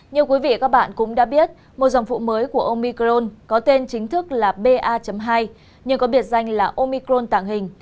như quý vị các bạn cũng đã biết một dòng phụ mới của omicron có tên chính thức là ba hai nhưng có biệt danh là omicron tạng hình